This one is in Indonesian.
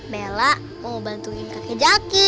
bella mau bantuin kakek jaki